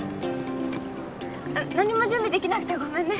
何も準備出来なくてごめんね。